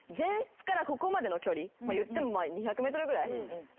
いっても２００ｍぐらい。